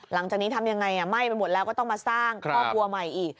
หลังจากนี้ทำยังไงไหม้ไปหมดแล้วก็ต้องมาสร้างครอบครัวใหม่อีก